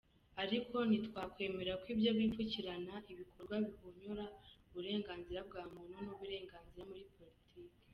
“Ariko ntitwakwemera ko ibyo bipfukirana ibikorwa bihonyora uburenganzira bwa muntu n’uburenganzira muri politike.